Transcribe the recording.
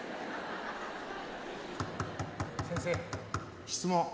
先生質問。